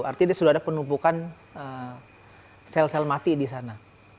artinya sudah ada penumpukan sel sel mati di sana